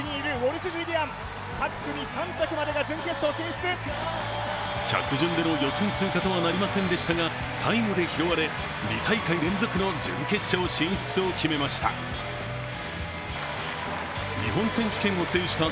着順での予選通過とはなりませんでしたが、タイムで拾われ、２大会連続の準決勝進出を決めました。